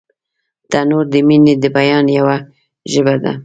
تنور د مینې د بیان یوه ژبه ده